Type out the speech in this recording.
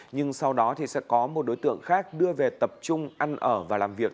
nhưng sau đó thì sẽ có một đối tượng khác đưa về tập trung ăn ở và làm việc